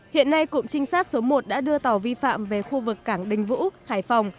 hiện nay cụm trinh sát số một đã đưa tàu vi phạm về khu vực cảng đình vũ hải phòng